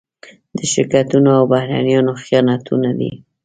د شرکتونو او بهرنيانو خیانتونه دي.